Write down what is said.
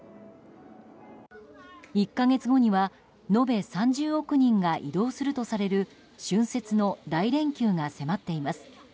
１か月後には、延べ３０億人が移動するとされる春節の大連休が迫っています。